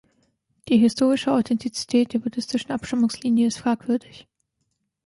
Die historische Authentizität der buddhistischen Abstammungslinie ist fragwürdig.